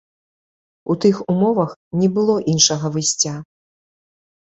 У тых умовах не было іншага выйсця.